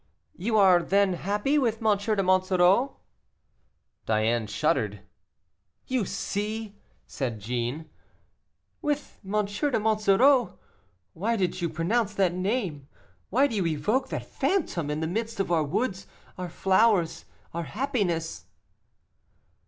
"You are, then, happy with M. de Monsoreau?" Diana shuddered. "You see!" said Jeanne. "With M. de Monsoreau! Why did you pronounce that name? why do you evoke that phantom in the midst of our woods, our flowers, our happiness?"